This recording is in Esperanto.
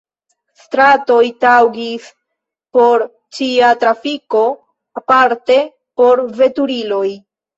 Stratoj taŭgis por ĉia trafiko, aparte por veturiloj.